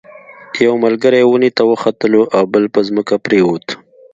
یو ملګری ونې ته وختلو او بل په ځمکه پریوت.